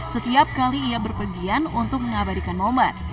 setiap kali ia berpergian untuk mengabadikan momen